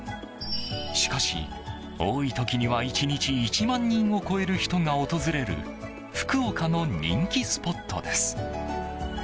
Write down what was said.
しかし、多い時には１日１万人を超える人が訪れる福岡の人気スポットです。